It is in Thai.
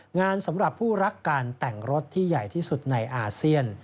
สำหรับผู้รักการแต่งรถที่ใหญ่ที่สุดในอาเซียน